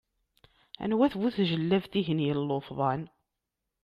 Anwa-t bu tjellabt-ihin yellufḍan?